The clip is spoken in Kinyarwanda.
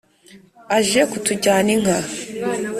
aje kutujyana inka.